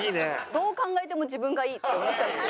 どう考えても自分がいいって思っちゃった。